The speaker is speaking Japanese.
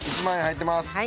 １万円入ってます。